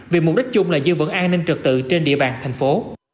vì mục đích chung là giữ vững an ninh trực tự trên địa bàn thành phố